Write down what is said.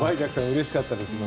うれしかったです。